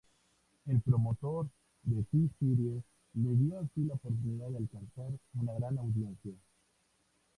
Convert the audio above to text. El promotor de T-Series le dio así la oportunidad de alcanzar una gran audiencia.